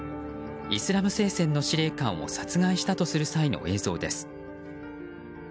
イスラム聖戦の司令官を殺害したとする際の映像です。